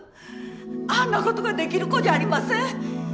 あんな事ができる子じゃありません！